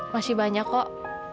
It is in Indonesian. masih banyak kok